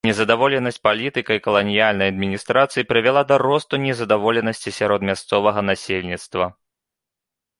Незадаволенасць палітыкай каланіяльнай адміністрацыі прывяла да росту незадаволенасці сярод мясцовага насельніцтва.